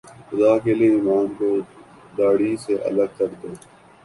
خدا کے لئے ایمان کو داڑھی سے الگ کر دو